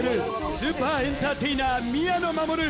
スーパーエンターテイナー・宮野真守。